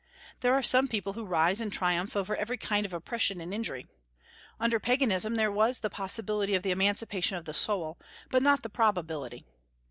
There are some people who rise and triumph over every kind of oppression and injury. Under Paganism there was the possibility of the emancipation of the soul, but not the probability.